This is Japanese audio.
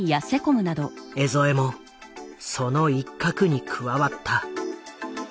江副もその一角に加わった。